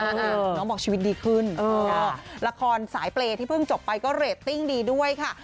น้องบอกชีวิตดีขึ้นละครสายเปรย์ที่เพิ่งจบไปก็เรตติ้งดีด้วยค่ะ